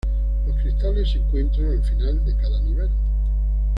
Los cristales se encuentran al final de cada nivel.